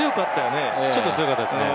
ちょっと強かったですね。